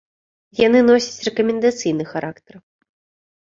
Яны носяць рэкамендацыйны характар.